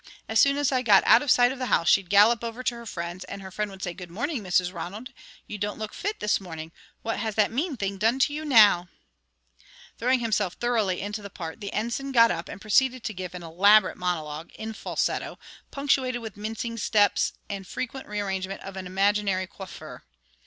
As soon as I got out of sight of the house, she'd gallop over to her friend's, and her friend would say: 'Good morning, Mrs. Ronald, you don't look fit this morning. What has that mean thing done to you now?'" Throwing himself thoroughly into the part, the Ensign got up and proceeded to give an elaborate monologue, in falsetto, punctuated with mincing steps and frequent rearrangement of an imaginary coiffure.